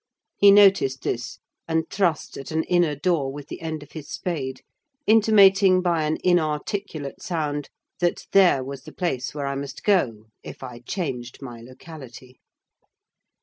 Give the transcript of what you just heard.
He noticed this, and thrust at an inner door with the end of his spade, intimating by an inarticulate sound that there was the place where I must go, if I changed my locality.